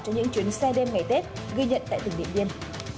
là những chuyến xe đêm ngày tết ghi nhận tại từng địa điểm